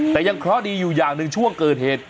แต่ยังเคราะห์ดีอยู่อย่างหนึ่งช่วงเกิดเหตุ